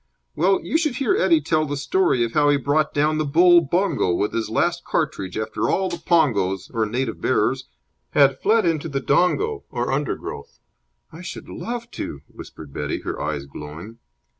Well, you should hear Eddie tell the story of how he brought down the bull bongo with his last cartridge after all the pongos, or native bearers, had fled into the dongo, or undergrowth." "I should love to!" whispered Betty, her eyes glowing.